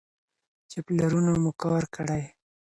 چې پلرونو مو کار کړی.